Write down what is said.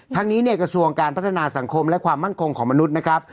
ทั้งนี้เนี่ยกระทรวงการพัฒนาสังคมและความมั่นคงของมนุษย์นะครับ